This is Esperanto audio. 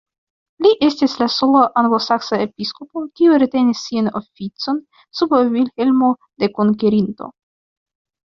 Li estis la sola anglosaksa episkopo kiu retenis sian oficon sub Vilhelmo la Konkerinto.